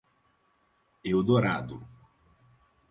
Eldorado